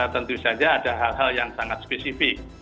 tentu saja ada hal hal yang sangat spesifik